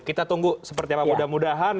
kita tunggu seperti apa mudah mudahan